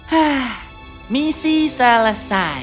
hah misi selesai